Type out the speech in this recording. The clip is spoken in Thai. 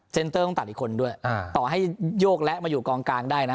เตอร์ต้องตัดอีกคนด้วยต่อให้โยกและมาอยู่กองกลางได้นะ